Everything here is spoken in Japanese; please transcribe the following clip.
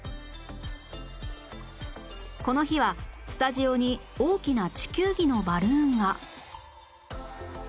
この日はスタジオに大きな地球儀のバルーンが